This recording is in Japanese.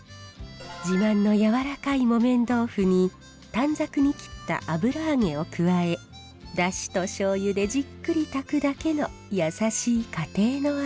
自慢のやわらかい木綿豆腐に短冊に切った油揚げを加え出汁と醤油でじっくり炊くだけの優しい家庭の味。